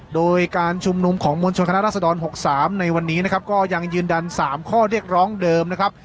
โดยการชุมนุมของมวลชนคณะรัศดร๖๓ในวันนี้นะครับก็ยังยืนยัน๓ข้อเรียกร้องเดิมนะครับ